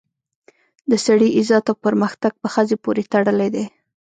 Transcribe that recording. د سړي عزت او پرمختګ په ښځې پورې تړلی دی